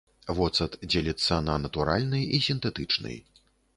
Воцат дзеліцца на натуральны і сінтэтычны.